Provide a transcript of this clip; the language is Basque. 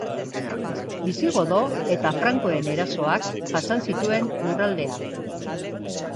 Bisigodo eta frankoen erasoak jasan zituen lurraldeak.